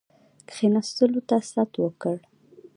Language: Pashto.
کښېنستلو ته ست وکړ.